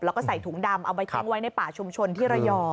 แล้วก็ใส่ถุงดำเอาไปทิ้งไว้ในป่าชุมชนที่ระยอง